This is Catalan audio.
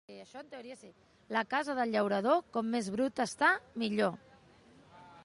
La casa del llaurador, com més bruta està, millor.